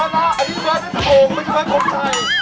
อันนี้มันเป็นสโมงไม่ใช่มันเป็นคนไทย